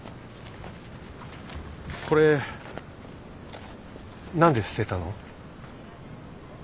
これ何で捨てたの？